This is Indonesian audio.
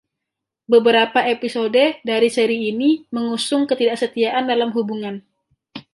Beberapa episode dari seri ini mengusung ketidaksetiaan dalam hubungan.